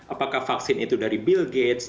apakah vaksin itu dari bill gates